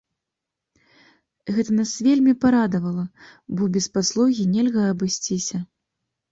Гэта нас вельмі парадавала, бо без паслугі нельга абысціся.